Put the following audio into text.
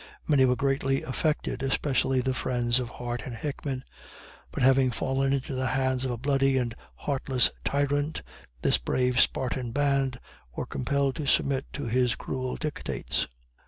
Many were greatly affected, especially the friends of Hart and Hickman. But having fallen into the hands of a bloody and heartless tyrant, this brave "Spartan band" were compelled to submit to his cruel dictates.